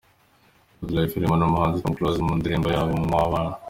Good Lyfe irimo n’umuhanzi Tom Close mu ndirimbo yabo Mama w’Abana.